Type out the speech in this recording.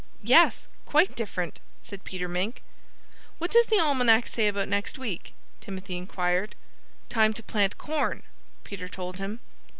"Yes quite different!" said Peter Mink. "What does the Almanac say about next week?" Timothy inquired. "Time to plant corn!" Peter told him.